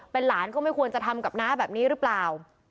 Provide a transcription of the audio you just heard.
เป็นหลานก็ไม่ควรจะทำกับน้าแบบนี้หรือเปล่า